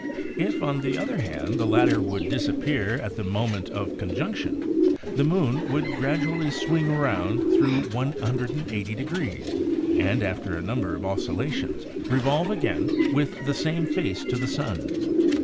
If, on the other hand, the latter would disappear at the moment of conjunction, the moon would gradually swing around thru 180° and, after a number of oscilla tions, revolve, again with the same face to the sun.